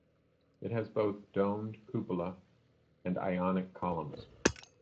It has both domed cupola and Ionic columns.